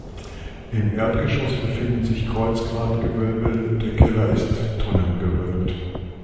Im Erdgeschoss befinden sich Kreuzgratgewölbe, der Keller ist tonnengewölbt.